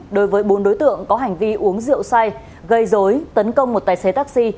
đối với bốn đối tượng có hành vi uống rượu say gây dối tấn công một tài xế taxi